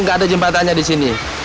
nggak ada jembatannya di sini